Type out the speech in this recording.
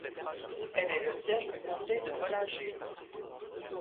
Elle est le siège du comté de Bollinger.